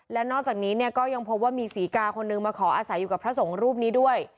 และนอกจากนี้เนี่ยก็ยังพบว่ามีศรีกาคนนึงมาขออาศัยอยู่กับพระสงฆ์รูปนี้ด้วย